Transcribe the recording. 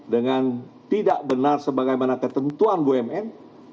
dengan tidak benar sebagaimana ketentuan bumn